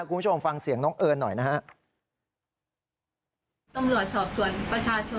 คุณผู้ชมฟังเสียงน้องเอิ้นหน่อยนะครับ